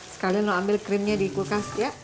sekalian mau ambil krimnya di kulkas ya